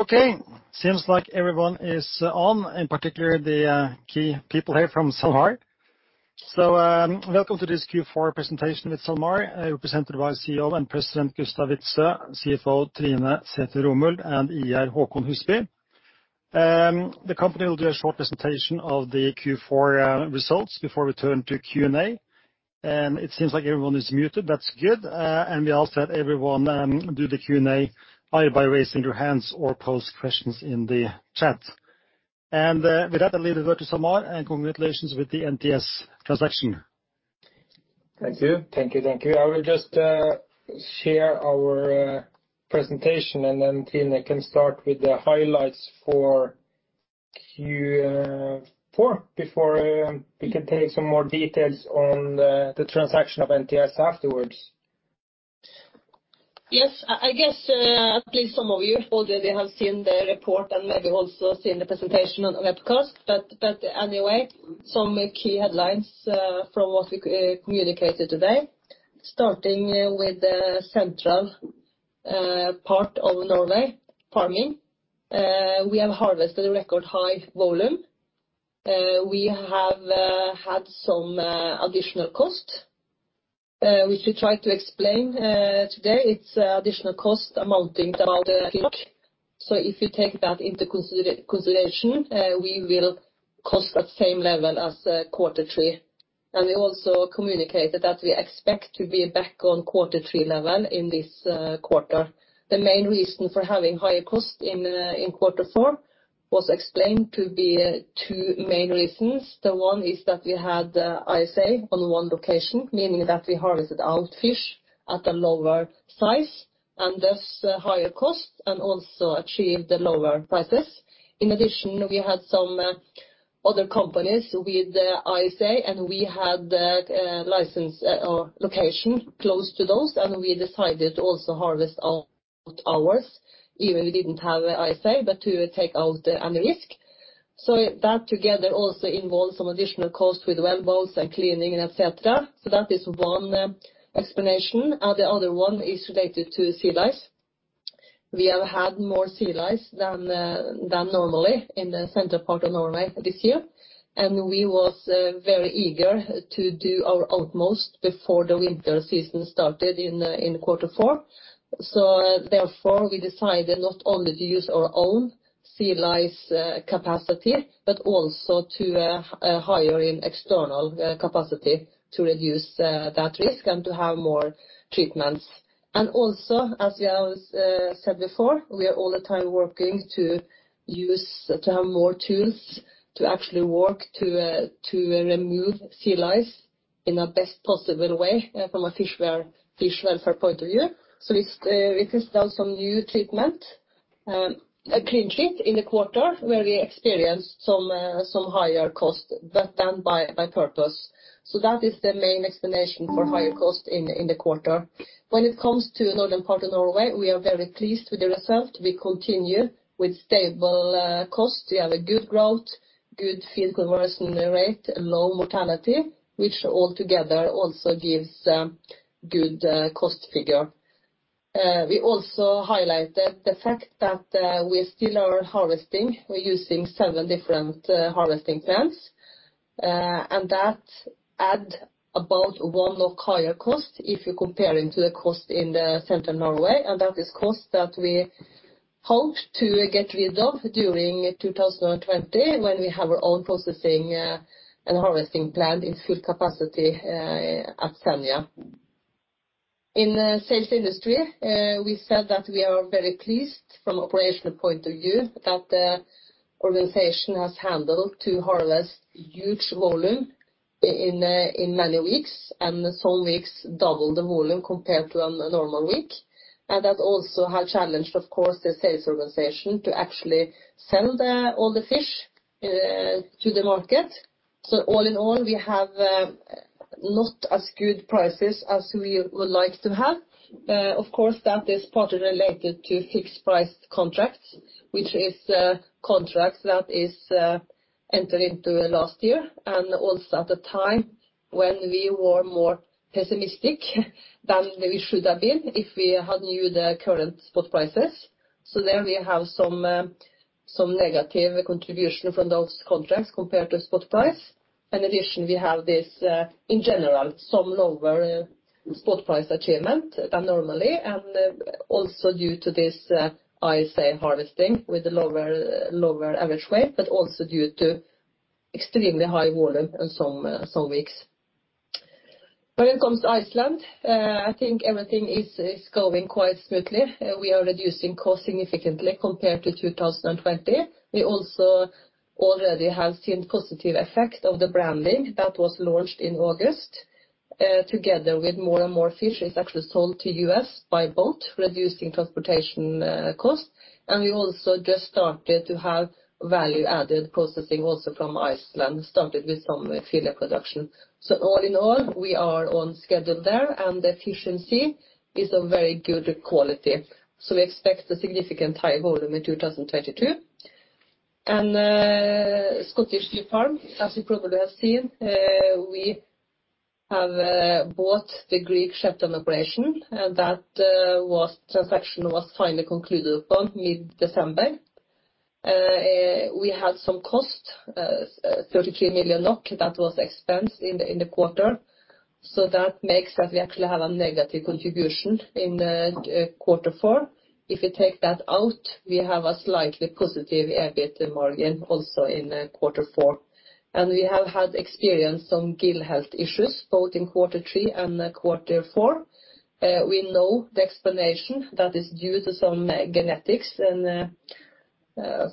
Okay. Seems like everyone is on, in particular, the key people here from SalMar. Welcome to this Q4 presentation with SalMar, represented by CEO and President Gustav Witzøe, CFO Trine S. Romuld and IR Håkon Husby. The company will do a short presentation of the Q4 results before we turn to Q&A. It seems like everyone is muted. That's good. We ask that everyone do the Q&A either by raising your hands or pose questions in the chat. With that, I leave the word to SalMar, and congratulations with the NTS transaction. Thank you. I will just share our presentation, and then Trine can start with the highlights for Q4 before we can take some more details on the transaction of NTS afterwards. Yes. I guess at least some of you already have seen the report and maybe also seen the presentation on the webcast. Anyway, some key headlines from what we communicated today, starting with the central part of Norway farming. We have harvested a record high volume. We have had some additional cost which we try to explain today. It's additional cost amounting to about NOK 50. If you take that into consideration, we will cost at same level as quarter three. We also communicated that we expect to be back on quarter three level in this quarter. The main reason for having higher costs in quarter four was explained to be two main reasons. The one is that we had ISA on one location, meaning that we harvested out fish at a lower size and thus higher cost, and also achieved the lower prices. In addition, we had some other companies with the ISA, and we had a license or location close to those, and we decided to also harvest out ours, even we didn't have ISA, but to take out any risk. That together also involved some additional costs with wellboats and cleaning, et cetera. That is one explanation. The other one is related to sea lice. We have had more sea lice than normally in the central part of Norway this year, and we was very eager to do our utmost before the winter season started in quarter four. Therefore, we decided not only to use our own sea lice capacity, but also to hire in external capacity to reduce that risk and to have more treatments. Also, as we have said before, we are all the time working to have more tools to actually work to remove sea lice in a best possible way from a fish welfare point of view. It's it has done some new treatment, a Clean Treat in the quarter where we experienced some higher costs, but done by purpose. That is the main explanation for higher cost in the quarter. When it comes to northern part of Norway, we are very pleased with the result. We continue with stable cost. We have a good growth, good physical conversion rate, low mortality, which all together also gives good cost figure. We also highlighted the fact that we still are harvesting. We're using seven different harvesting plants. That adds about 1% higher cost if you're comparing to the cost in Central Norway, and that is cost that we hope to get rid of during 2020, when we have our own processing and harvesting plant in full capacity at Senja. In the sales industry, we said that we are very pleased from an operational point of view that the organization has managed to harvest huge volume in many weeks, and some weeks double the volume compared to a normal week. That also has challenged, of course, the sales organization to actually sell all the fish to the market. All in all, we have not as good prices as we would like to have. Of course, that is partly related to fixed price contracts, which is contracts that is entered into last year, and also at the time when we were more pessimistic than we should have been if we had knew the current spot prices. There we have some negative contribution from those contracts compared to spot price. In addition, we have this, in general, some lower spot price achievement than normally, and also due to this, ISA harvesting with a lower average weight, but also due to extremely high volume in some weeks. When it comes to Iceland, I think everything is going quite smoothly. We are reducing cost significantly compared to 2020. We also already have seen positive effect of the branding that was launched in August, together with more and more fish is actually sold to U.S. by boat, reducing transportation, cost. We also just started to have value-added processing also from Iceland, started with some fillet production. All in all, we are on schedule there, and the efficiency is a very good quality. We expect a significant high volume in 2022. Scottish Sea Farms, as you probably have seen, we have bought the Grieg Shetland operation, and that transaction was finally concluded on mid-December. We had some cost, 33 million NOK that was expensed in the quarter. That makes that we actually have a negative contribution in quarter four. If you take that out, we have a slightly positive EBIT margin also in quarter four. We have had experience on gill health issues, both in quarter three and quarter four. We know the explanation that is due to some genetics and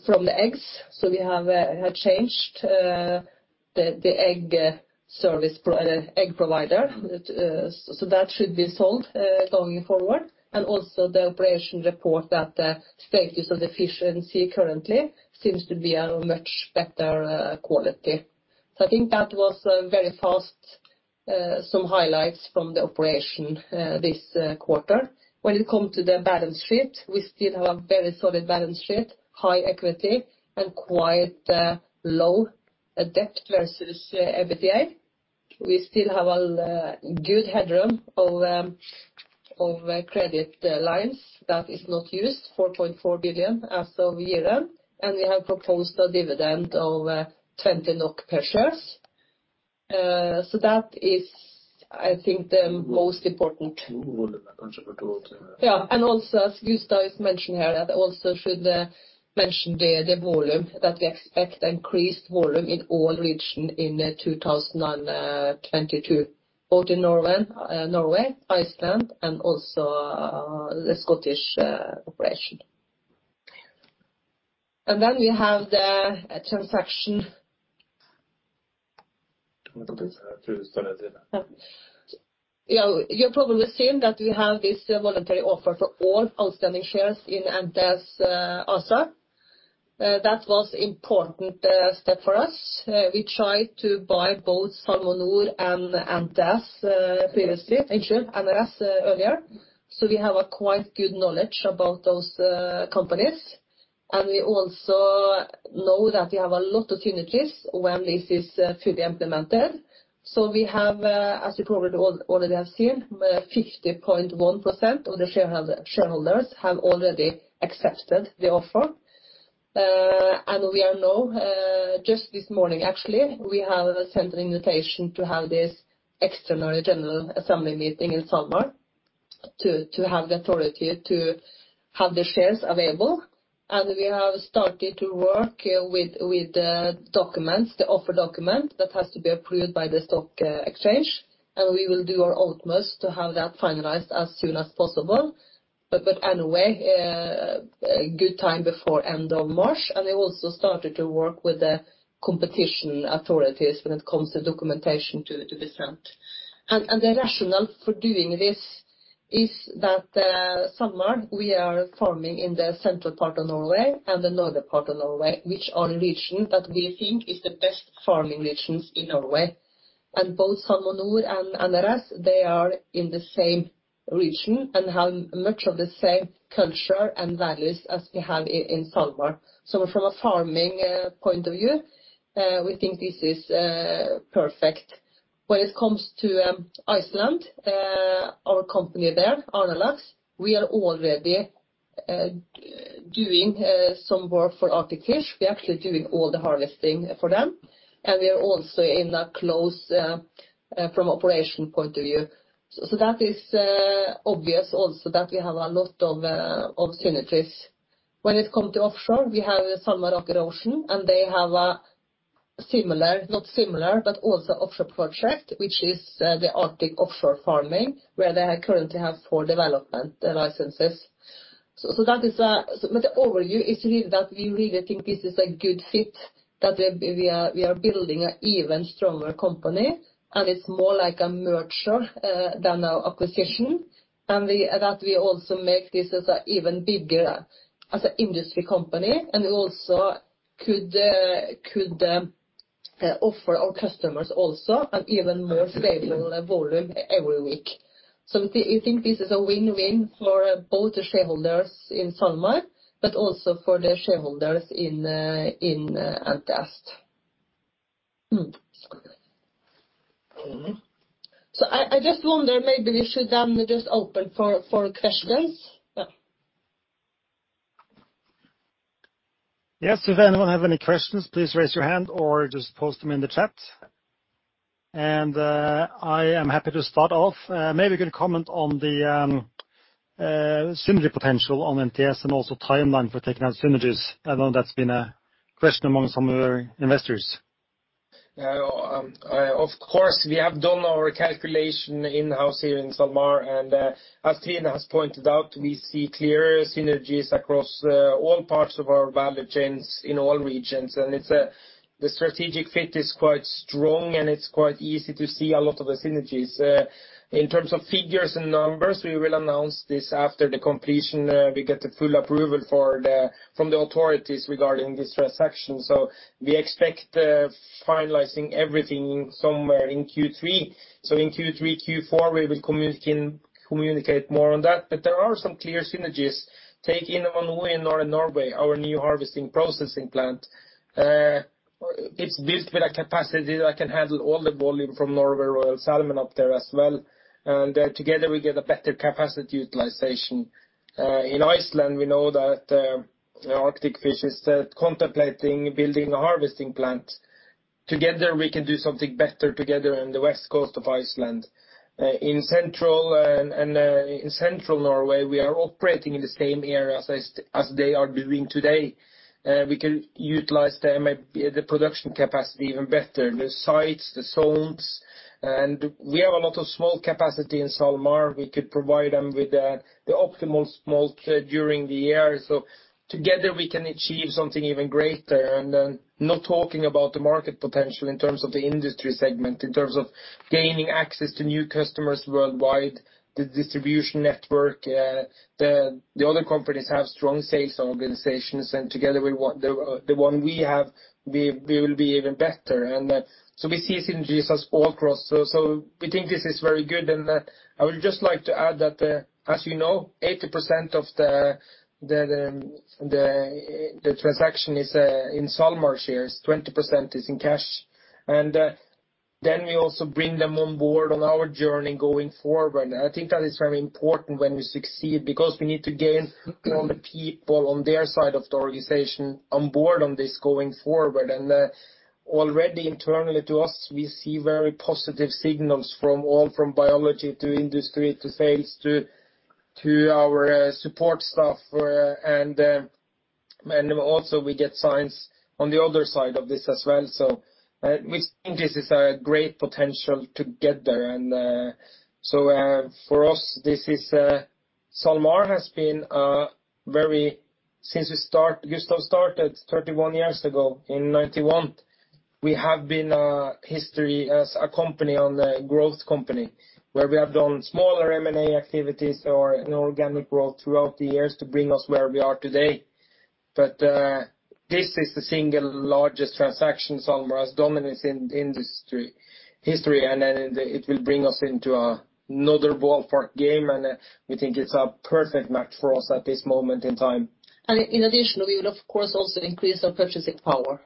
from the eggs. We have changed the egg provider. That should be solved going forward. Also the operation report that the status of the fish in sea currently seems to be a much better quality. I think that was very fast some highlights from the operation this quarter. When it comes to the balance sheet, we still have a very solid balance sheet, high equity and quite low debt versus EBITDA. We still have a good headroom of credit lines that is not used, 4.4 billion as of year-end, and we have proposed a dividend of 20 NOK per share. That is I think the most important. Also as Gustav mentioned here, I also should mention the volume, that we expect increased volume in all regions in 2022, both in Norway, Iceland and also the Scottish operation. Then we have the transaction. You've probably seen that we have this voluntary offer for all outstanding shares in NTS ASA. That was important step for us. We tried to buy both SalmoNor and NTS previously, actually, NRS earlier. We have a quite good knowledge about those companies. We also know that we have a lot of synergies when this is fully implemented. We have, as you probably already have seen, 50.1% of the shareholders have already accepted the offer. We are now, just this morning, actually, we have sent an invitation to have this extraordinary general assembly meeting in SalMar to have the authority to have the shares available. We have started to work with the documents, the offer document that has to be approved by the stock exchange. We will do our utmost to have that finalized as soon as possible. Anyway, a good time before end of March. We also started to work with the competition authorities when it comes to documentation to be sent. The rationale for doing this is that SalMar, we are farming in the central part of Norway and the northern part of Norway, which are regions that we think is the best farming regions in Norway. Both SalmoNor and NRS, they are in the same region and have much of the same culture and values as we have in SalMar. From a farming point of view, we think this is perfect. When it comes to Iceland, our company there, Arnarlax, we are already doing some work for Arctic Fish. We're actually doing all the harvesting for them. We are also in a close from operation point of view. That is obvious also that we have a lot of synergies. When it come to offshore, we have SalMar Ocean, and they have a similar, not similar, but also offshore project, which is the Arctic Offshore Farming, where they currently have four development licenses. That is. The overview is really that we really think this is a good fit, that we are building an even stronger company, and it's more like a merger than an acquisition. That we also make this as an even bigger as an industry company. We also could offer our customers an even more stable volume every week. We think this is a win-win for both the shareholders in SalMar, but also for the shareholders in NTS ASA. I just wonder, maybe we should then just open for questions. Yeah. Yes. If anyone have any questions, please raise your hand or just post them in the chat. I am happy to start off. Maybe you can comment on the synergy potential on NTS and also timeline for taking out synergies. I know that's been a question among some of our investors. Yeah. Of course, we have done our calculation in-house here in SalMar. As Trine has pointed out, we see clear synergies across all parts of our value chains in all regions. The strategic fit is quite strong, and it's quite easy to see a lot of the synergies. In terms of figures and numbers, we will announce this after the completion we get the full approval from the authorities regarding this transaction. We expect finalizing everything somewhere in Q3. In Q3, Q4, we will communicate more on that. There are some clear synergies. Take one in Northern Norway, our new harvesting processing plant is built with a capacity that can handle all the volume from Norway Royal Salmon up there as well. Together, we get a better capacity utilization. In Iceland, we know that Arctic Fish is contemplating building a harvesting plant. Together we can do something better together in the west coast of Iceland. In central Norway, we are operating in the same areas as they are doing today. We can utilize them at the production capacity even better, the sites, the zones. We have a lot of smoke capacity in SalMar. We could provide them with the optimal smoke during the year. Together, we can achieve something even greater. Not talking about the market potential in terms of the industry segment, in terms of gaining access to new customers worldwide, the distribution network, the other companies have strong sales organizations, and together with the one we have, we will be even better. We see synergies as all across. We think this is very good. I would just like to add that, as you know, 80% of the transaction is in SalMar shares, 20% is in cash. We also bring them on board on our journey going forward. I think that is very important when we succeed because we need to gain all the people on their side of the organization on board on this going forward. Already internally to us, we see very positive signals from all, from biology to industry, to sales, to our support staff, and also we get signs on the other side of this as well. We think this is a great potential together. For us, this is. SalMar has been very. Gustav started 31 years ago in 1991. We have had a history as a growth company, where we have done smaller M&A activities or organic growth throughout the years to bring us where we are today. This is the single largest transaction SalMar has done in our history, and then it will bring us into another ball game, and we think it's a perfect match for us at this moment in time. In addition, we would, of course, also increase our purchasing power.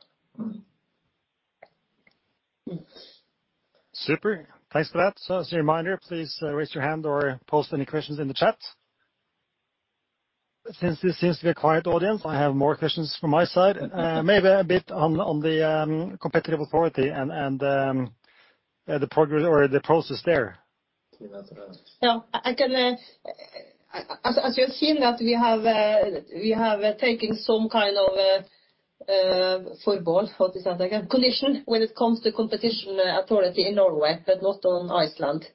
Super. Thanks for that. As a reminder, please raise your hand or post any questions in the chat. Since this seems to be a quiet audience, I have more questions from my side. Maybe a bit on the competitive authority and the progress or the process there. Yes. Yeah. I can, as you've seen that we have taken some kind of condition when it comes to competition authority in Norway, but not in Iceland.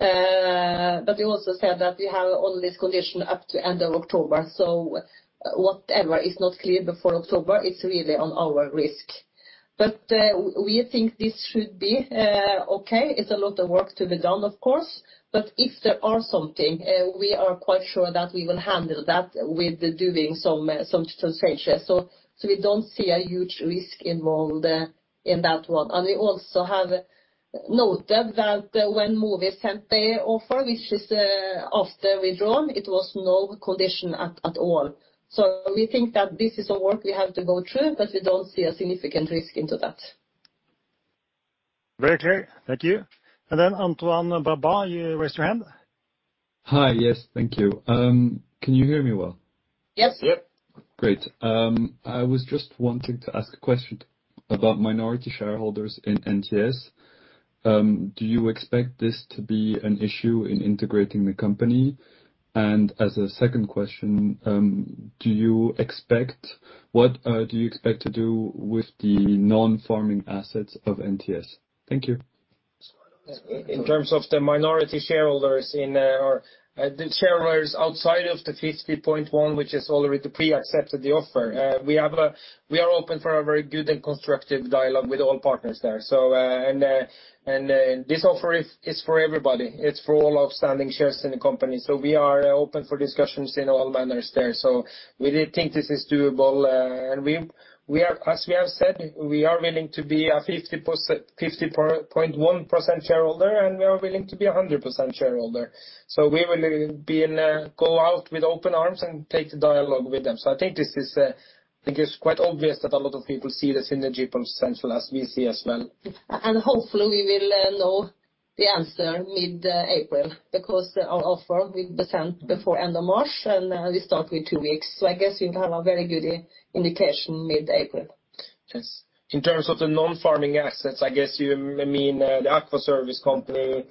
We also said that we have all this condition up to end of October. Whatever is not cleared before October, it's really at our risk. We think this should be okay. It's a lot of work to be done, of course. If there are something, we are quite sure that we will handle that with doing some transactions. We don't see a huge risk involved in that one. We also have noted that when Mowi sent their offer, which was afterwards withdrawn, it was no condition at all. We think that this is a work we have to go through, but we don't see a significant risk into that. Very clear. Thank you. Antoine de Brabant, you raised your hand. Hi. Yes. Thank you. Can you hear me well? Yes. Yep. Great. I was just wanting to ask a question about minority shareholders in NTS. Do you expect this to be an issue in integrating the company? As a second question, do you expect to do with the non-farming assets of NTS? Thank you. In terms of the minority shareholders in, or the shareholders outside of the 50.1, which has already pre-accepted the offer, we are open for a very good and constructive dialogue with all partners there. This offer is for everybody. It's for all outstanding shares in the company. We are open for discussions in all manners there. We think this is doable. As we have said, we are willing to be a 50.1% shareholder, and we are willing to be a 100% shareholder. We will go out with open arms and take the dialogue with them. I think it's quite obvious that a lot of people see the synergy potential as we see as well. Hopefully we will know the answer mid-April because our offer will be sent before end of March, and we start with two weeks. I guess you have a very good indication mid-April. Yes. In terms of the non-farming assets, I guess you mean the Frøy company,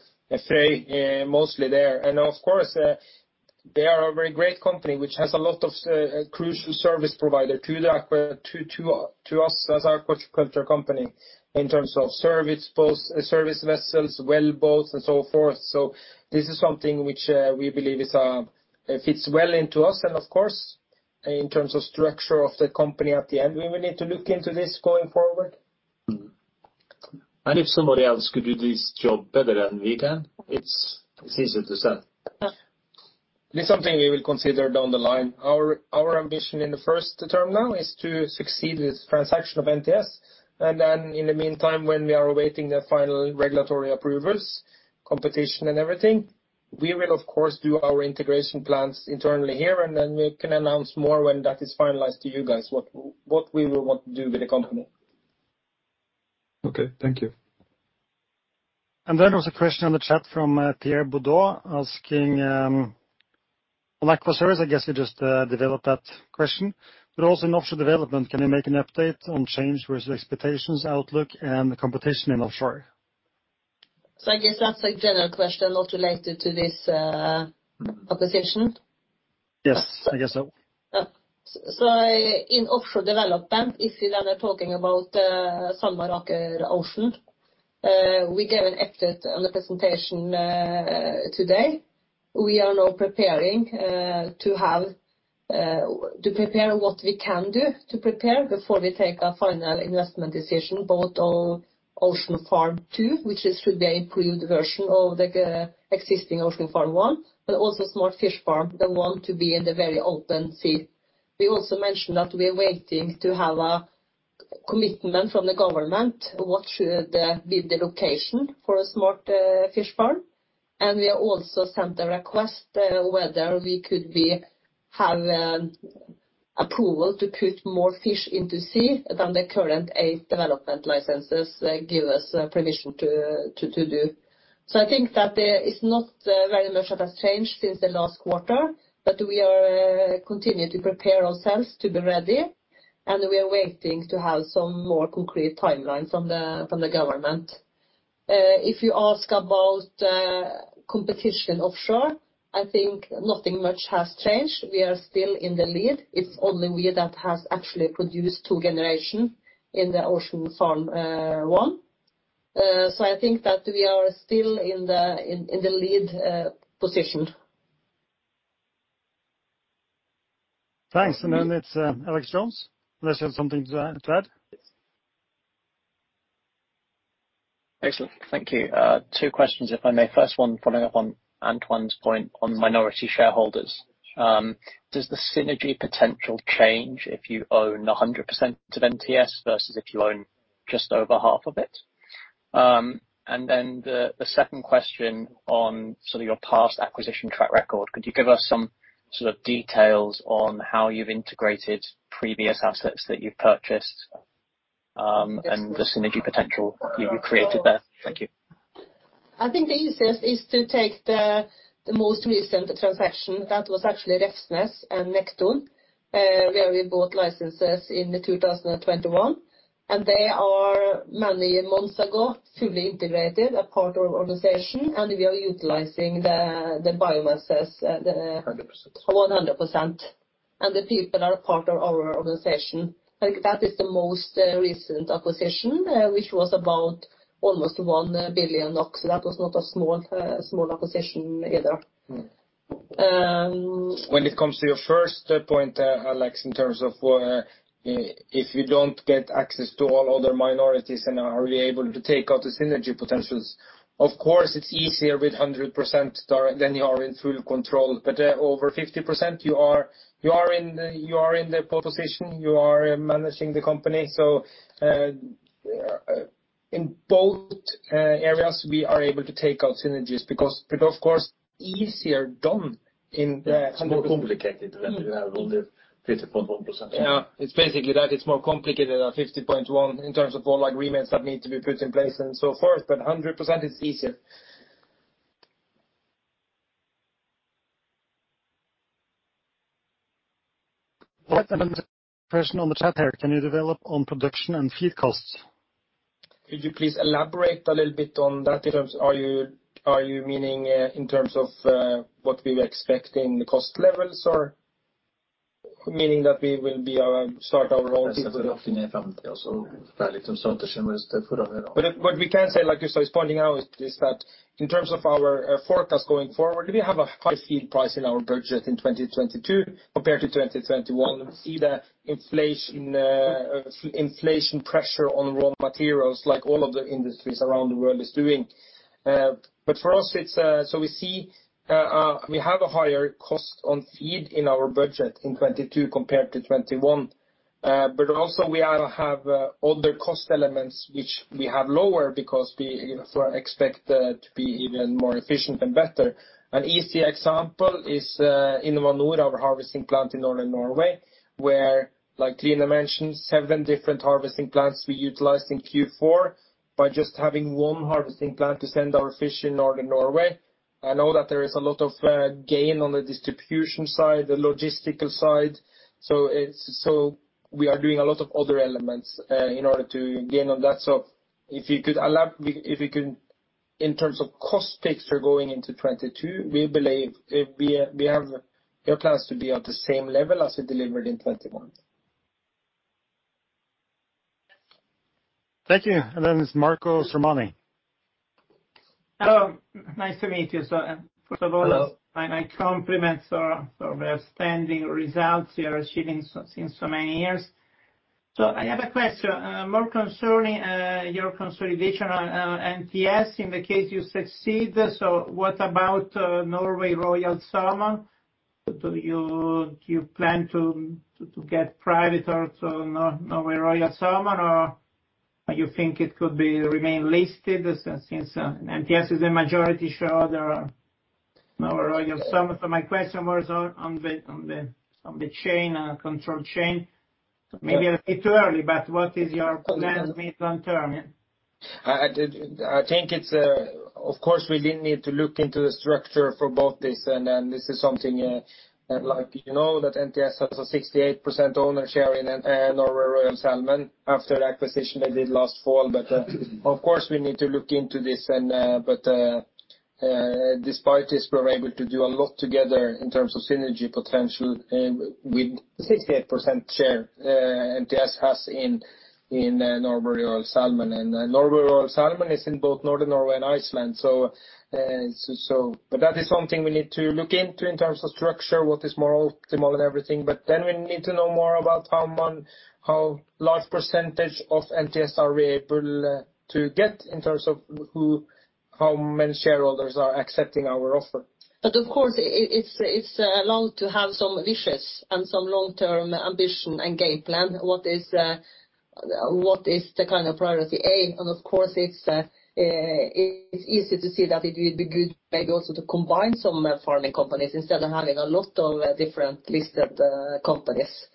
mostly there. Of course, they are a very great company which has a lot of crucial service provider to us as our aquaculture company in terms of service vessels, wellboats and so forth. This is something which we believe is fits well into us. Of course, in terms of structure of the company at the end, we will need to look into this going forward. Mm-hmm. If somebody else could do this job better than we can, it's easy to sell. It's something we will consider down the line. Our ambition in the first term now is to succeed this transaction of NTS. Then in the meantime, when we are awaiting the final regulatory approvals, competition and everything, we will of course do our integration plans internally here, and then we can announce more when that is finalized to you guys, what we will want to do with the company. Okay. Thank you. There was a question on the chat from Pierre Budo asking on Aqua Service. I guess you just developed that question, but also in offshore development. Can we make an update on change versus expectations, outlook and the competition in offshore? I guess that's a general question not related to this acquisition. Yes, I guess so. Yeah. In offshore development, if you then are talking about SalMar Aker Ocean, we gave an update on the presentation today. We are now preparing to prepare what we can do to prepare before we take a final investment decision, both on Ocean Farm 2, which should be improved version of the existing Ocean Farm 1, but also Smart Fish Farm, the one to be in the very open sea. We also mentioned that we are waiting to have a commitment from the government. What should be the location for a Smart Fish Farm? We also sent a request whether we could have approval to put more fish into sea than the current eight development licenses give us permission to do. I think that there is not very much that has changed since the last quarter, but we are continuing to prepare ourselves to be ready, and we are waiting to have some more concrete timelines from the government. If you ask about competition offshore, I think nothing much has changed. We are still in the lead. It's only we that has actually produced two generation in the Ocean Farm 1. I think that we are still in the lead position. Thanks. It's Alex Jones, unless you have something to add. Excellent. Thank you. Two questions if I may. First one following up on Antoine's point on minority shareholders. Does the synergy potential change if you own 100% of NTS versus if you own just over half of it? The second question on sort of your past acquisition track record, could you give us some sort of details on how you've integrated previous assets that you've purchased, and the synergy potential you created there? Thank you. I think the easiest is to take the most recent transaction. That was actually Refsnes and Nekton, where we bought licenses in 2021, and they are many months ago, fully integrated as part of the organization, and we are utilizing the biomass. 100%. As 100%. The people are a part of our organization. I think that is the most recent acquisition, which was about almost 1 billion. That was not a small acquisition either. When it comes to your first point, Alex, in terms of if you don't get access to all other minorities and are we able to take out the synergy potentials, of course, it's easier with 100% stake than you are in full control. Over 50%, you are in the position you are managing the company. In both areas, we are able to take out synergies because of course, easier done in- Yeah. It's more complicated when you have only 50.1%. Yeah. It's basically that it's more complicated at 50.1 in terms of all like agreements that need to be put in place and so forth, but 100% is easier. Right. Another question on the chat here. Can you develop on production and feed costs? Could you please elaborate a little bit on that in terms are you meaning in terms of what we were expecting the cost levels or meaning that we will be start our own. What we can say, like, Kristy was pointing out, is that in terms of our forecast going forward, we have a high feed price in our budget in 2022 compared to 2021. We see the inflation pressure on raw materials like all of the industries around the world is doing. For us, it's so we see we have a higher cost on feed in our budget in 2022 compared to 2021. Also we have other cost elements which we have lower because we, you know, expect to be even more efficient and better. An easy example is InnovaNor, our harvesting plant in Northern Norway, where like Line mentioned, seven different harvesting plants we utilized in Q4 by just having one harvesting plant to send our fish in Northern Norway. I know that there is a lot of gain on the distribution side, the logistical side. So we are doing a lot of other elements in order to gain on that. So if you can, in terms of cost picture going into 2022, we believe we have the plans to be on the same level as we delivered in 2021. Thank you. There's Marco Sormani. Hello. Nice to meet you, sir. Hello. First of all, my compliments are for the outstanding results you are achieving for so many years. I have a question more concerning your consolidation on NTS. In the case you succeed, what about Norway Royal Salmon? Do you plan to get private or to Norway Royal Salmon, or you think it could remain listed since NTS is a majority shareholder? Norway, some of my question was on the control chain. Maybe a bit early, but what is your plan midterm? I think it's. Of course, we didn't need to look into the structure for both this, and then this is something, like, you know, that NTS has a 68% owner share in Norway Royal Salmon after acquisition they did last fall. Of course, we need to look into this and, despite this, we're able to do a lot together in terms of synergy potential, with 68% share NTS has in Norway Royal Salmon. Norway Royal Salmon is in both Northern Norway and Iceland. That is something we need to look into in terms of structure, what is more optimal and everything. We need to know more about how large percentage of NTS we are able to get in terms of how many shareholders are accepting our offer. Of course, it's allowed to have some wishes and some long-term ambition and game plan. What is the kind of priority aim? Of course, it's easy to see that it would be good maybe also to combine some farming companies instead of having a lot of different listed companies.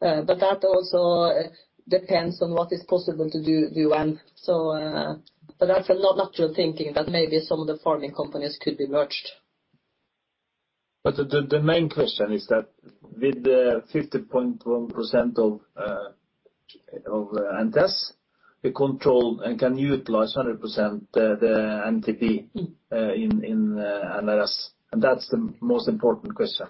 That also depends on what is possible to do when. That's a natural thinking that maybe some of the farming companies could be merged. The main question is that with the 50.1% of NTS, we control and can utilize 100% the NTS in NRS, and that's the most important question.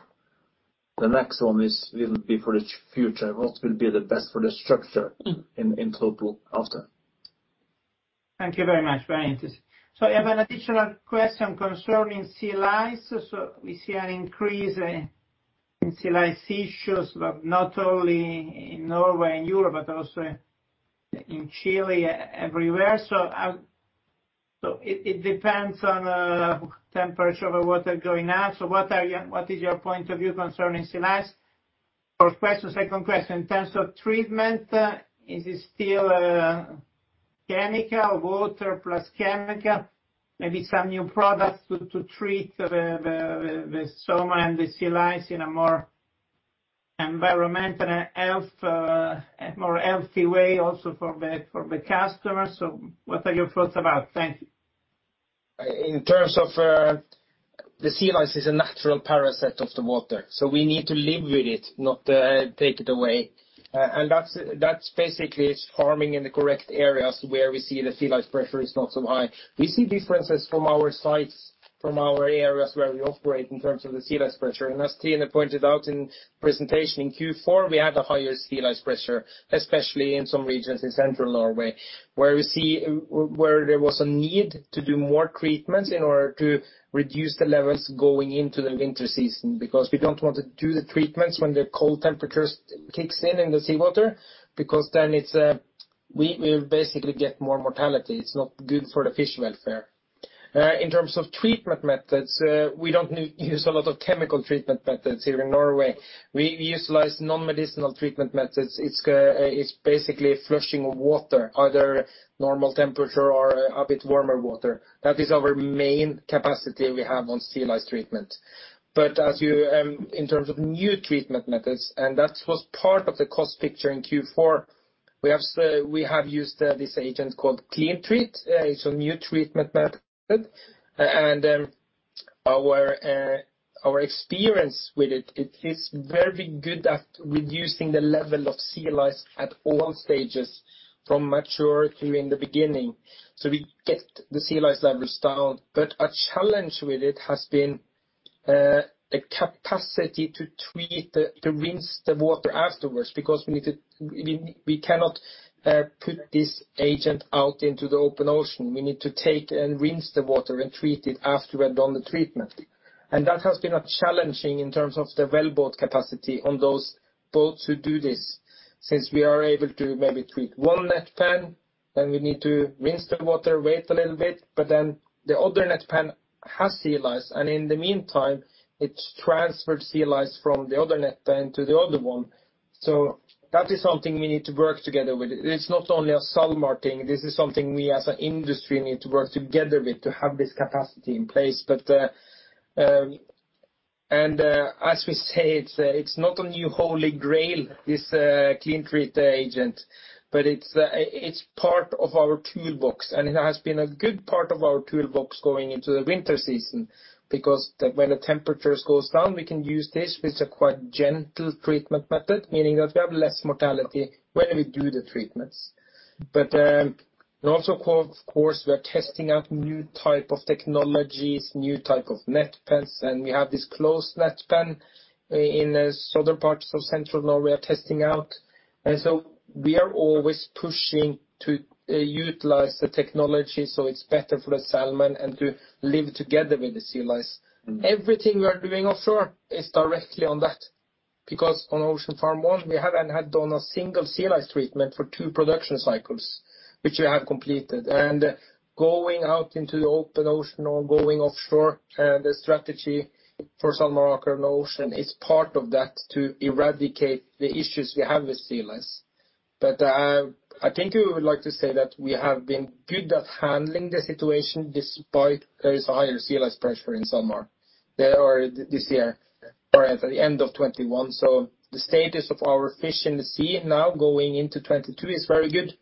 The next one is, will be for the future, what will be the best for the structure in total after. Thank you very much. Very interesting. I have an additional question concerning sea lice. We see an increase in sea lice issues, but not only in Norway and Europe, but also in Chile, everywhere. It depends on temperature of the water going up. What is your point of view concerning sea lice? First question, second question, in terms of treatment, is it still chemical, water plus chemical, maybe some new products to treat the salmon and the sea lice in a more environmental and healthy way also for the customers. What are your thoughts about? Thank you. In terms of the sea lice is a natural parasite of the water, so we need to live with it, not take it away. That's basically it's farming in the correct areas where we see the sea lice pressure is not so high. We see differences from our sites, from our areas where we operate in terms of the sea lice pressure. As Tine pointed out in presentation, in Q4, we had a higher sea lice pressure, especially in some regions in central Norway, where there was a need to do more treatments in order to reduce the levels going into the winter season, because we don't want to do the treatments when the cold temperatures kicks in in the seawater, because then it's we basically get more mortality. It's not good for the fish welfare. In terms of treatment methods, we don't use a lot of chemical treatment methods here in Norway. We utilize non-medicinal treatment methods. It's basically flushing of water, either normal temperature or a bit warmer water. That is our main capacity we have on sea lice treatment. As you, in terms of new treatment methods, and that was part of the cost picture in Q4, we have used this agent called CleanTreat. It's a new treatment method. Our experience with it is very good at reducing the level of sea lice at all stages from maturity in the beginning. We get the sea lice levels down. A challenge with it has been a capacity to rinse the water afterwards because we cannot put this agent out into the open ocean. We need to take and rinse the water and treat it after we have done the treatment. That has been challenging in terms of the wellboat capacity on those boats who do this, since we are able to maybe treat one net pen, then we need to rinse the water, wait a little bit, but then the other net pen has sea lice, and in the meantime, it's transferred sea lice from the other net pen to the other one. That is something we need to work together with. It's not only a SalMar thing, this is something we as an industry need to work together with to have this capacity in place. As we say, it's not a new holy grail, this CleanTreat agent, but it's part of our toolbox, and it has been a good part of our toolbox going into the winter season. Because when the temperatures goes down, we can use this with a quite gentle treatment method, meaning that we have less mortality when we do the treatments. Also of course, we are testing out new type of technologies, new type of net pens, and we have this closed net pen in southern parts of central Norway testing out. We are always pushing to utilize the technology so it's better for the salmon and to live together with the sea lice. Everything we are doing offshore is directly on that because on Ocean Farm 1 we haven't had done a single sea lice treatment for two production cycles, which we have completed. Going out into the open ocean or going offshore, the strategy for SalMar Aker Ocean is part of that to eradicate the issues we have with sea lice. I think we would like to say that we have been good at handling the situation despite there is a higher sea lice pressure in salmon. This year or at the end of 2021. The status of our fish in the sea now going into 2022 is very good.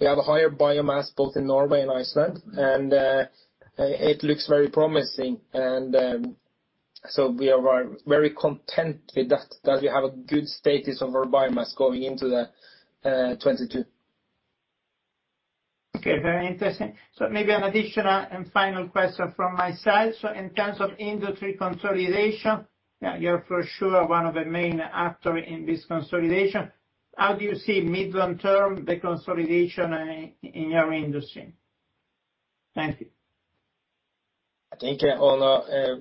We have a higher biomass both in Norway and Iceland, and it looks very promising. We are very content with that we have a good status of our biomass going into the 2022. Okay, very interesting. Maybe an additional and final question from my side. In terms of industry consolidation, you're for sure one of the main actor in this consolidation. How do you see mid-term the consolidation in your industry? Thank you. I think, Ola,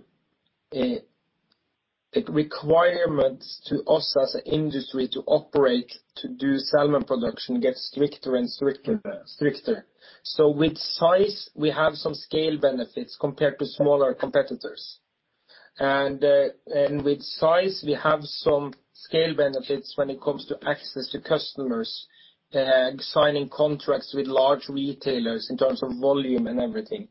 the requirements to us as an industry to operate, to do salmon production gets stricter and stricter. With size, we have some scale benefits compared to smaller competitors. With size, we have some scale benefits when it comes to access to customers, signing contracts with large retailers in terms of volume and everything.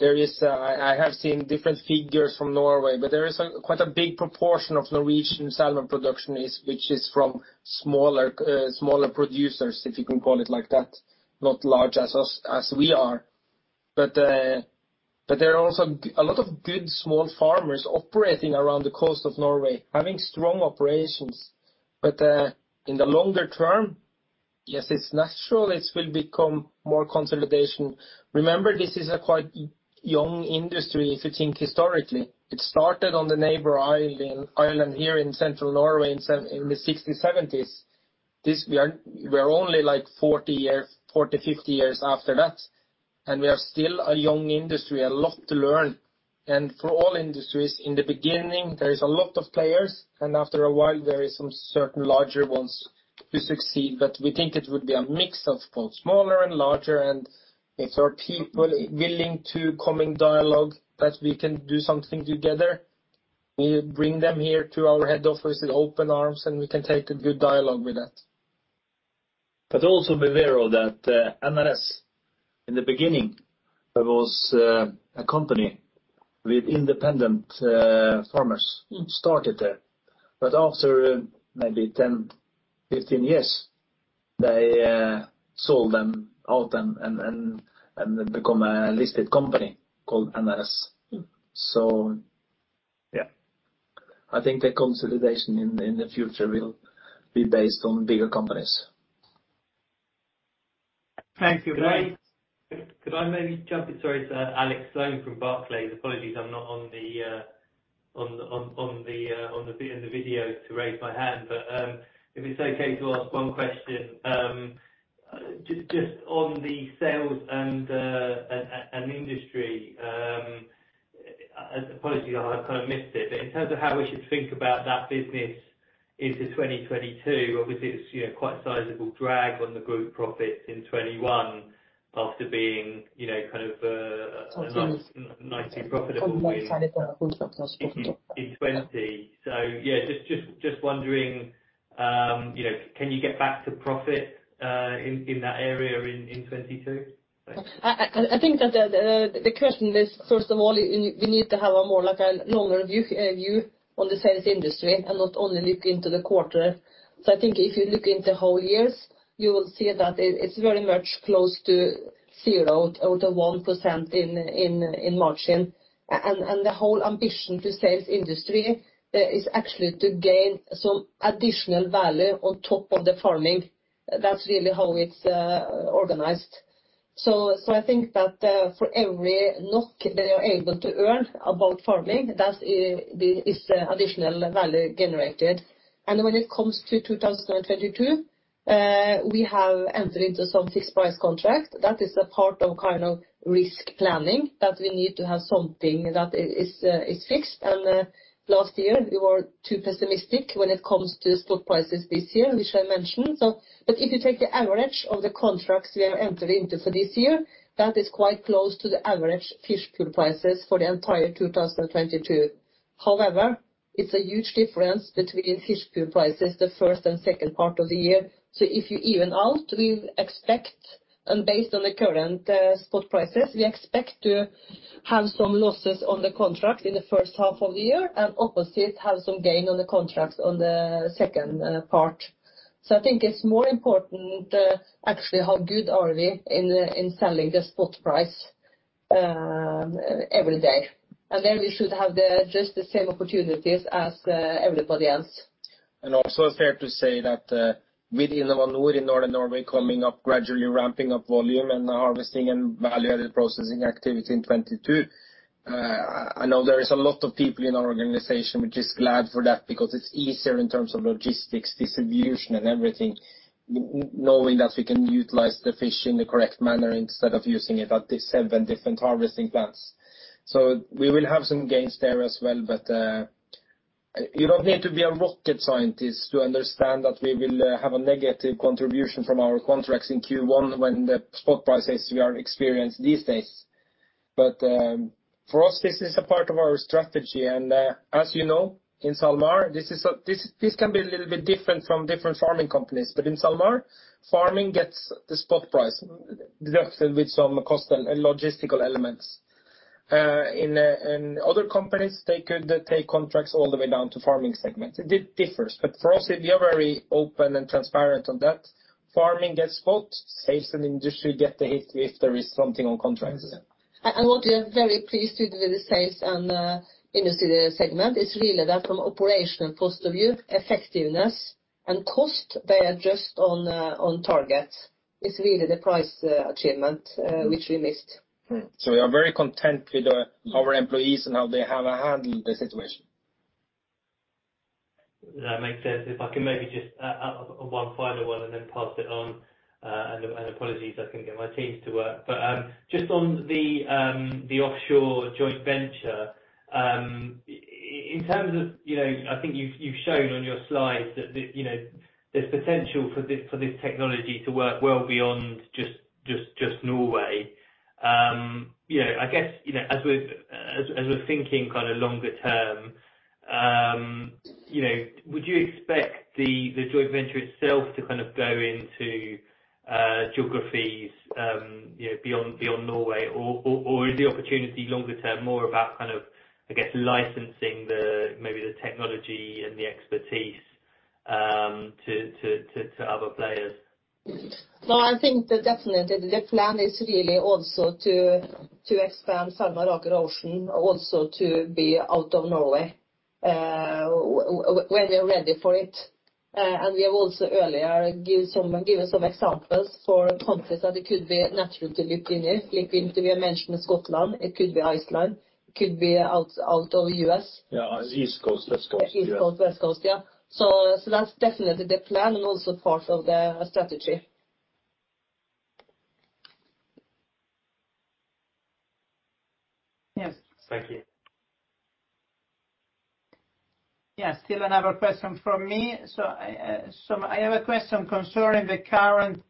I have seen different figures from Norway, but there is quite a big proportion of Norwegian salmon production which is from smaller producers, if you can call it like that, not as large as we are. There are also a lot of good small farmers operating around the coast of Norway, having strong operations. In the longer term, yes, it's natural, it will become more consolidation. Remember, this is a quite young industry, if you think historically. It started on the neighbor island here in central Norway in the '60s, '70s. We are, we're only like 40, 50 years after that, and we are still a young industry, a lot to learn. For all industries, in the beginning, there is a lot of players, and after a while, there is some certain larger ones who succeed. We think it would be a mix of both smaller and larger. If there are people willing to come in dialogue that we can do something together, we bring them here to our head office with open arms, and we can take a good dialogue with that. Also be aware of that, NRS, in the beginning, there was a company with independent farmers started there. After maybe 10, 15 years, they sold them out and become a listed company called NRS. Yeah. I think the consolidation in the future will be based on bigger companies. Thank you very Could I maybe jump in? Sorry. It's Alex Sloane from Barclays. Apologies I'm not on the video to raise my hand. If it's okay to ask one question, just on the sales and industry, apologies if I kind of missed it. In terms of how we should think about that business into 2022, obviously, it's you know quite a sizable drag on the group profits in 2021 after being you know kind of nicely profitable in 2020. Yeah, just wondering you know can you get back to profit in that area in 2022? Thanks. I think that the question is, first of all, you need to have a more like a longer view on the salmon industry and not only look into the quarter. I think if you look into whole years, you will see that it's very much close to 0% or 1% in margin. And the whole ambition to salmon industry is actually to gain some additional value on top of the farming. That's really how it's organized. I think that for every NOK they are able to earn above farming, that is additional value generated. And when it comes to 2022, we have entered into some fixed price contract. That is a part of kind of risk planning, that we need to have something that is fixed. Last year, we were too pessimistic when it comes to the spot prices this year, which I mentioned. If you take the average of the contracts we have entered into for this year, that is quite close to the average Fish Pool prices for the entire 2022. However, it's a huge difference between Fish Pool prices the first and second part of the year. If you even out, we expect, and based on the current spot prices, we expect to have some losses on the contract in the first half of the year and opposite, have some gain on the contracts on the second part. I think it's more important, actually how good are we in selling the spot price every day. Then we should have just the same opportunities as everybody else. Also fair to say that, with InnovaNor in Northern Norway coming up, gradually ramping up volume and harvesting and value-added processing activity in 2022, I know there is a lot of people in our organization which is glad for that because it's easier in terms of logistics, distribution and everything, knowing that we can utilize the fish in the correct manner instead of using it at the 7 different harvesting plants. We will have some gains there as well. You don't need to be a rocket scientist to understand that we will have a negative contribution from our contracts in Q1 when the spot prices we are experiencing these days. For us this is a part of our strategy. As you know, in SalMar, this is a. This can be a little bit different from different farming companies. In SalMar, farming gets the spot price with some cost and logistical elements. In other companies, they could take contracts all the way down to farming segment. It differs, but for us, we are very open and transparent on that. Farming gets spot. Sales and industry get the hit if there is something on contracts. Mm-hmm. What we are very pleased with the sales and industry segment is really that from operational point of view, effectiveness and cost, they are just on target. It's really the price achievement which we missed. Mm-hmm. We are very content with our employees and how they have handled the situation. That makes sense. If I can maybe just one final one and then pass it on. And apologies I can't get my teams to work. Just on the offshore joint venture, in terms of, you know, I think you've shown on your slides that, you know, there's potential for this technology to work well beyond just Norway. You know, I guess, as we're thinking kind of longer term, you know, would you expect the joint venture itself to kind of go into geographies, you know, beyond Norway? Or is the opportunity longer term more about kind of, I guess, licensing maybe the technology and the expertise to other players? No, I think that definitely the plan is really also to expand SalMar operation also to be out of Norway, when we are ready for it. We have also earlier given some examples for countries that it could be naturally to leap into. We have mentioned Scotland, it could be Iceland, could be out of U.S. Yeah. East Coast, West Coast. Yeah. East Coast, West Coast. Yeah. That's definitely the plan and also part of the strategy. Yes. Thank you. Yes. Still another question from me. I have a question concerning the current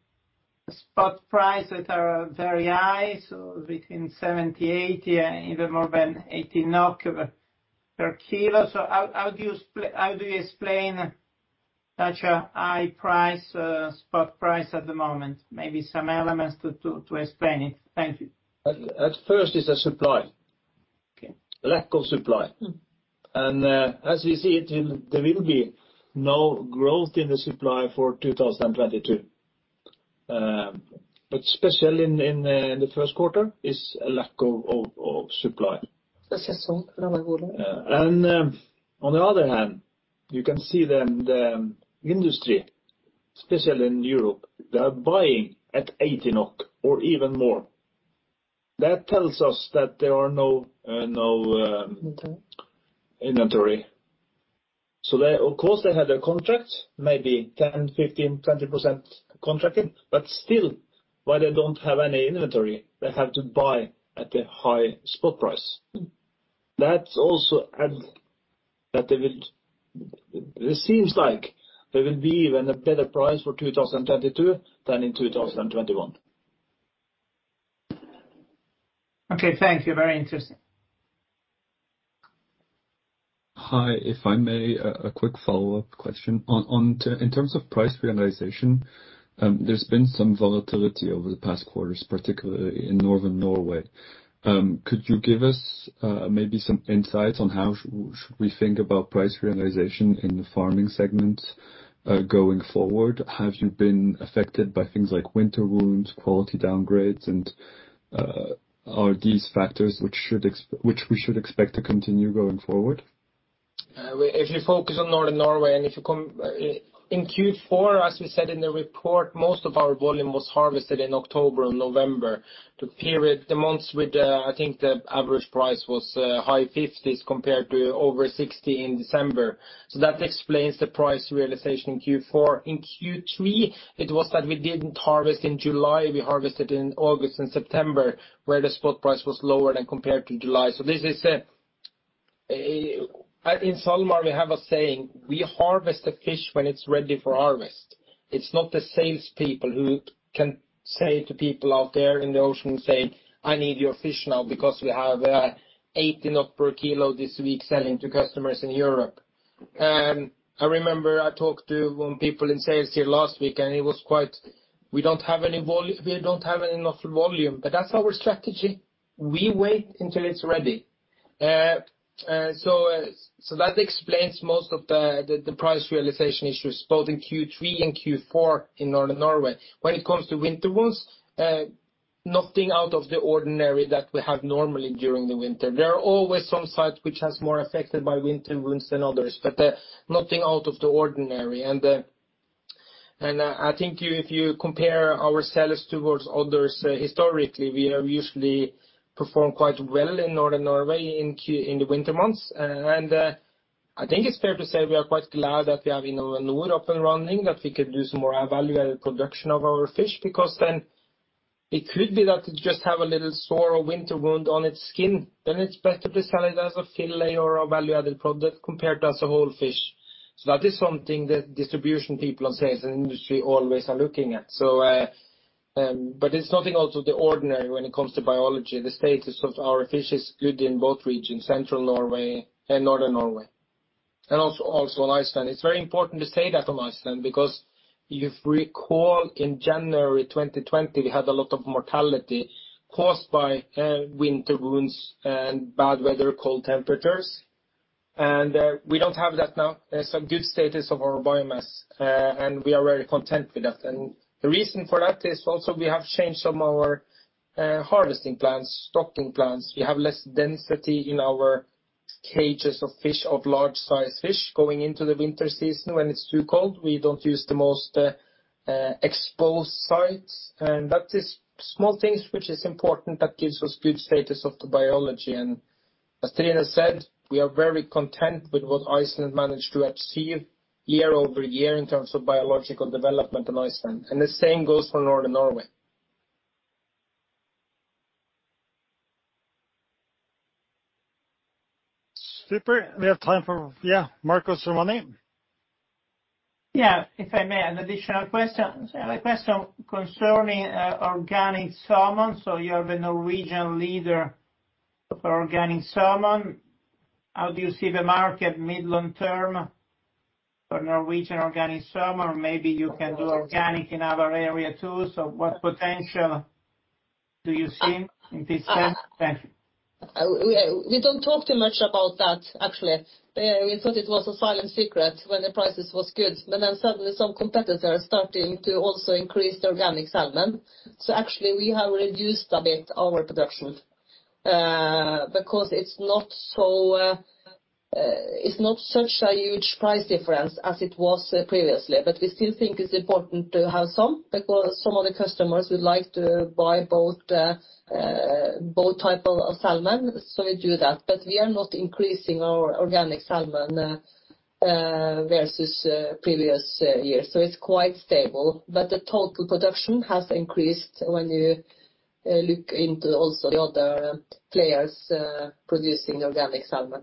spot price that are very high, so between 70-80 and even more than 80 NOK per kilo. How do you explain such a high price, spot price at the moment? Maybe some elements to explain it. Thank you. At first it's a supply. Okay. Lack of supply. Mm-hmm. As we see it, there will be no growth in the supply for 2022. Especially in the first quarter is a lack of supply. Especially from our volume. On the other hand, you can see the industry, especially in Europe, buying at 80 NOK or even more. That tells us that there are no Inventory Inventory. They, of course, have a contract maybe 10%, 15%, 20% contracted, but still, while they don't have any inventory, they have to buy at a high spot price. Mm-hmm. It seems like there will be even a better price for 2022 than in 2021. Okay, thank you. Very interesting. Hi. If I may, quick follow-up question. In terms of price realization, there's been some volatility over the past quarters, particularly in Northern Norway. Could you give us, maybe some insights on how should we think about price realization in the farming segment, going forward? Have you been affected by things like winter wounds, quality downgrades, and are these factors which we should expect to continue going forward? If you focus on Northern Norway, in Q4, as we said in the report, most of our volume was harvested in October and November. The period, the months with, I think the average price was, high 50s compared to over 60 in December. That explains the price realization in Q4. In Q3, it was that we didn't harvest in July, we harvested in August and September, where the spot price was lower than compared to July. In SalMar, we have a saying, we harvest the fish when it's ready for harvest. It's not the salespeople who can say to people out there in the ocean and say, "I need your fish now because we have 18 per kilo this week selling to customers in Europe." I remember I talked to one person in sales here last week, and it was quite, "We don't have enough volume." That's our strategy. We wait until it's ready. That explains most of the price realization issues, both in Q3 and Q4 in Northern Norway. When it comes to winter wounds, nothing out of the ordinary that we have normally during the winter. There are always some sites which are more affected by winter wounds than others, but nothing out of the ordinary. I think you, if you compare our sales towards others, historically, we have usually performed quite well in northern Norway in the winter months. I think it's fair to say we are quite glad that we have InnovaNor up and running, that we could do some more value-added production of our fish, because then it could be that it just have a little sore or winter wound on its skin, then it's better to sell it as a fillet or a value-added product compared as a whole fish. That is something that distribution people and sales industry always are looking at. It's nothing out of the ordinary when it comes to biology. The status of our fish is good in both regions, central Norway and northern Norway, and also in Iceland. It's very important to say that on Iceland because if you recall, in January 2020, we had a lot of mortality caused by winter wounds and bad weather, cold temperatures. We don't have that now. There's a good status of our biomass, and we are very content with that. The reason for that is also we have changed some of our harvesting plans, stocking plans. We have less density in our cages of fish, of large size fish going into the winter season when it's too cold. We don't use the most exposed sites. That is small things which is important that gives us good status of the biology. As Trine said, we are very content with what Iceland managed to achieve year-over-year in terms of biological development on Iceland. The same goes for Northern Norway. Super. We have time for. Yeah, Marco Sermoni. Yeah, if I may, an additional question. I have a question concerning organic salmon. You are the Norwegian leader for organic salmon. How do you see the market mid long term for Norwegian organic salmon? Or maybe you can do organic in other area too. What potential do you see in this sense? Thank you. We don't talk too much about that, actually. We thought it was a silent secret when the prices was good, but then suddenly some competitors are starting to also increase their organic salmon. Actually, we have reduced a bit our production, because it's not such a huge price difference as it was previously. We still think it's important to have some, because some of the customers would like to buy both type of salmon. We do that, but we are not increasing our organic salmon versus previous years. It's quite stable. The total production has increased when you look into also the other players producing organic salmon.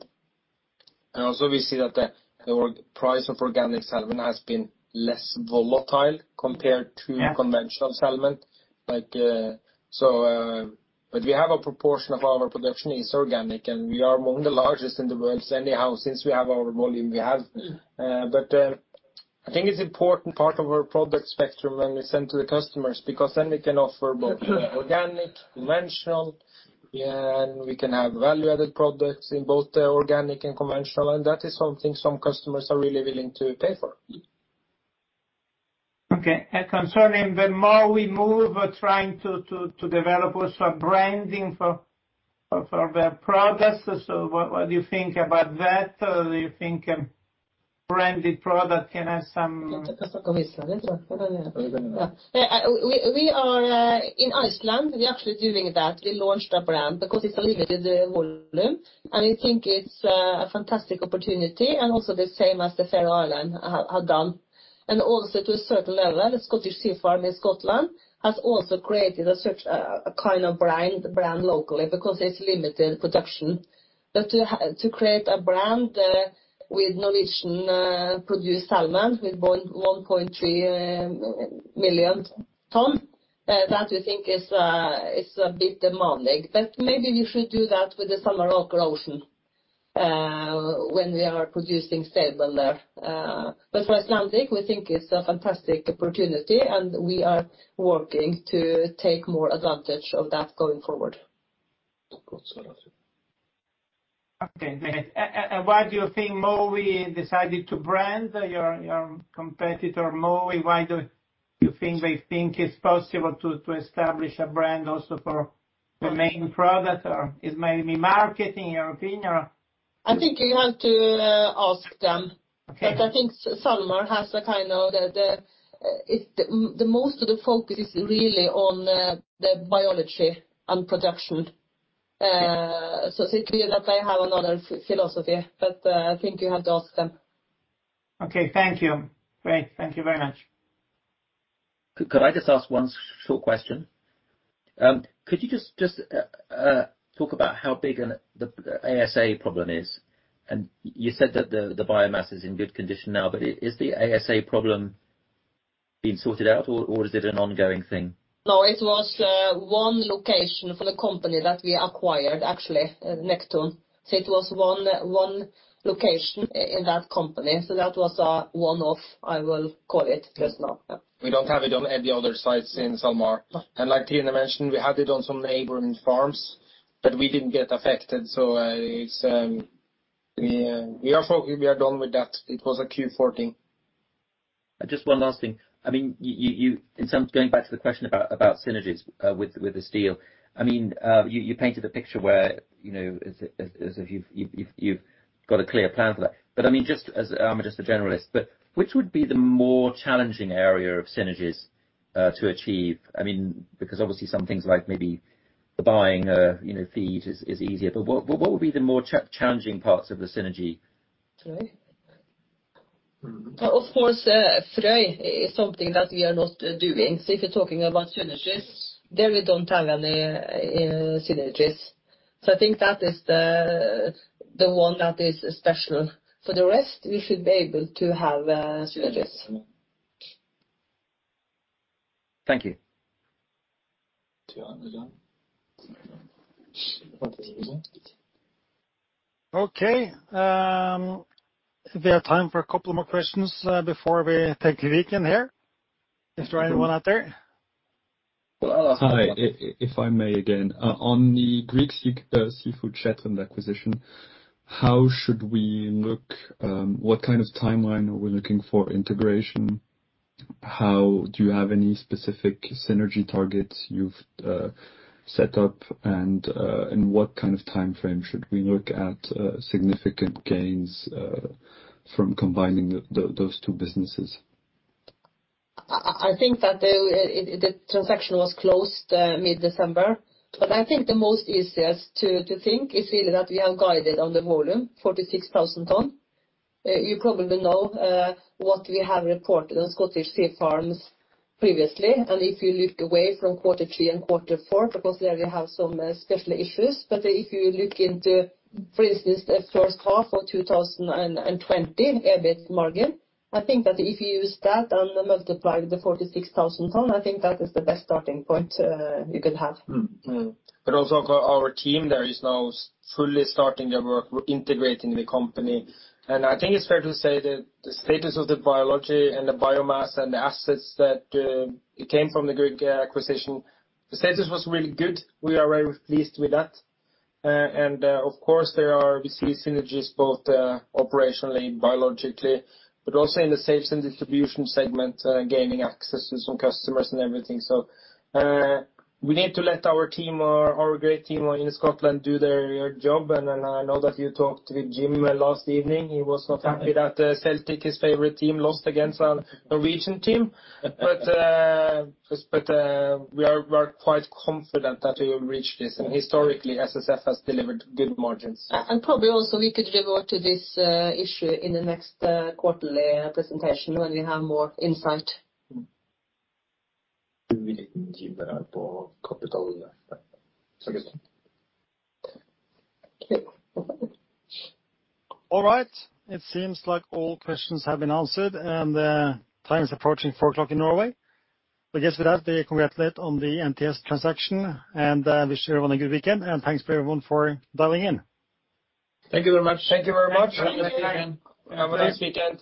We see that the price of organic salmon has been less volatile compared to Yeah. Conventional salmon. Like, but we have a proportion of our production is organic, and we are among the largest in the world anyhow since we have our volume. I think it's important part of our product spectrum when we send to the customers, because then we can offer both organic, conventional, yeah, and we can have value-added products in both the organic and conventional, and that is something some customers are really willing to pay for. Okay. Concerning the more we move trying to develop also a branding for the products, so what do you think about that? Do you think a branded product can have some- We are in Iceland, we are actually doing that. We launched a brand because it's limited volume, and we think it's a fantastic opportunity and also the same as the Faroe Islands had done. Also to a certain level, the Scottish Sea Farms in Scotland has also created a kind of brand locally because it's limited production. To create a brand with Norwegian produced salmon with 1.3 million ton that we think is a bit demanding. Maybe we should do that with the SalMar Ocean when we are producing stably there. For Icelandic, we think it's a fantastic opportunity and we are working to take more advantage of that going forward. Okay. Why do you think Mowi decided to brand? Your competitor, Mowi, why do you think they think it's possible to establish a brand also for the main product? Or it may be marketing opinion or? I think you have to ask them. Okay. I think SalMar has a kind of. The most of the focus is really on the biology and production. It could be that they have another philosophy, but I think you have to ask them. Okay. Thank you. Great. Thank you very much. Could I just ask one short question? Could you just talk about how big the ISA problem is? You said that the biomass is in good condition now, but is the ISA problem been sorted out or is it an ongoing thing? No, it was one location for the company that we acquired, actually, Nekton. It was one location in that company. That was one of, I will call it just now. Yeah. We don't have it on any other sites in SalMar. Like Trine mentioned, we had it on some neighboring farms, but we didn't get affected. We are done with that. It was a Q1 2014. Just one last thing. I mean, going back to the question about synergies with this deal. I mean, you painted a picture where, you know, as if you've got a clear plan for that. I mean, I'm just a generalist, but which would be the more challenging area of synergies to achieve? I mean, because obviously some things like maybe the buying of, you know, feed is easier. What would be the more challenging parts of the synergy? Of course, Frøy is something that we are not doing. If you're talking about synergies, there we don't have any synergies. I think that is the one that is special. For the rest, we should be able to have synergies. Thank you. Okay, we have time for a couple more questions before we take the weekend here. Is there anyone out there? Hi, if I may again. On the Grieg Seafood Shetland acquisition, how should we look, what kind of timeline are we looking for integration? Do you have any specific synergy targets you've set up and what kind of timeframe should we look at significant gains from combining those two businesses? I think that the transaction was closed mid-December. I think the most easiest to think is really that we have guided on the volume, 46,000 tons. You probably know what we have reported on Scottish Sea Farms previously. If you look away from quarter three and quarter four, because there we have some special issues, but if you look into, for instance, the first half of 2020 EBIT margin, I think that if you use that and multiply the 46,000 tons, I think that is the best starting point you can have. Mm-hmm. Also for our team, they are now successfully starting their work integrating the company. I think it's fair to say that the status of the biology and the biomass and the assets that came from the Grieg acquisition was really good. We are very pleased with that. Of course, we see synergies both operationally and biologically, but also in the sales and distribution segment, gaining access to some customers and everything. We need to let our great team in Scotland do their job. Then I know that you talked with Jim last evening. He was not happy that Celtic, his favorite team, lost against a Norwegian team. We are quite confident that we will reach this. Historically, SSF has delivered good margins. Probably also we could revert to this issue in the next quarterly presentation when we have more insight. All right. It seems like all questions have been answered and time is approaching four o'clock in Norway. I guess with that, we congratulate on the NTS transaction and wish you all a good weekend, and thanks for everyone for dialing in. Thank you very much. Thank you very much. Thank you. Have a nice weekend.